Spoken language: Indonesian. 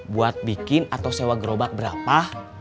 buat bikin atau sewa gerobak berapa